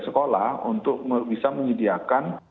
sekolah untuk bisa menyediakan